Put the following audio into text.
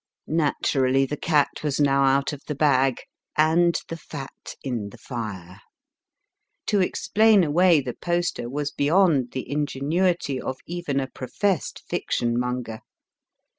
Naturally the cat was now out of the bag, and the fat in the fire. To explain away the poster was beyond the ingenuity ot even a professed fiction monger.